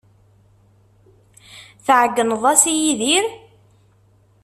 Tɛeyyneḍ-as i Yidir?